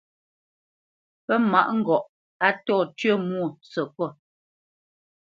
Pə́ mâʼ ŋgɔʼ a ntô tyə̂ mwo sekot.